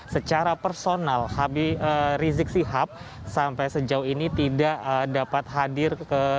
secara personal habib rizik sihab sampai sejauh ini tidak dapat hadir